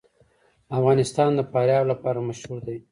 افغانستان د فاریاب لپاره مشهور دی.